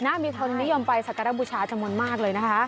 หน้ามีคนนิยมไปสกรบุชาจมนต์มากเลยนะคะ